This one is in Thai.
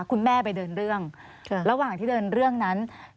คุณแม่ไปเดินเรื่องระหว่างที่เดินเรื่องนั้น